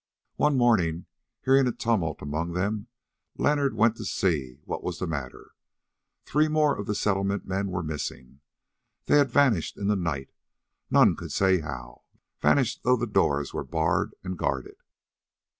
One morning, hearing a tumult among them, Leonard went to see what was the matter. Three more of the Settlement men were missing; they had vanished in the night, none could say how, vanished though the doors were barred and guarded.